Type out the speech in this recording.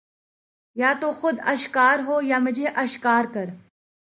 یا تو خود آشکار ہو یا مجھے آشکار کر